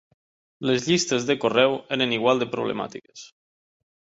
Les llistes de correu eren igual de problemàtiques.